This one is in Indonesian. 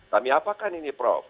kami apakan ini prof